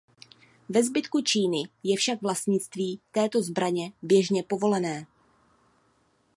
Ve zbytku Číny je však vlastnictví této zbraně běžně povolené.